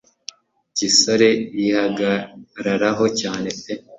gisore yihagararaho cyane pe